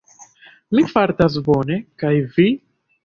Mi fartas bone, kaj vi?